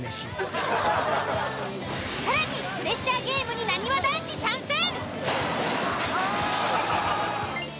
更に、プレッシャーゲームになにわ男子参戦。